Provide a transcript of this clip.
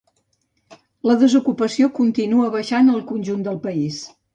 La desocupació continua baixant al conjunt del país.